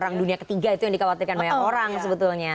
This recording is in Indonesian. perang dunia ketiga itu yang dikhawatirkan banyak orang sebetulnya